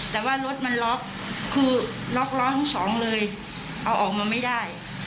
แต่ว่ารถมันล็อกคือล็อกล้อทั้งสองเลยเอาออกมาไม่ได้